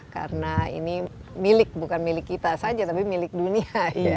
karena ini milik bukan milik kita saja tapi milik dunia